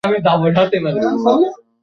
রঘুপতি তাহা সম্পূর্ণ অনুমোদন করিলেন।